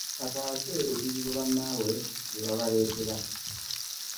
Bataase ebizibu bannaabwe bye babaleetera.